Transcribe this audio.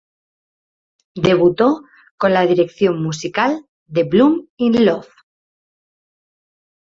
Debutó con la dirección musical de "Blum in Love".